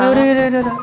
yaudah yaudah yaudah